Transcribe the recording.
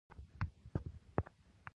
کښتۍ او موټرونه یو ځل بیا را ایستل کیږي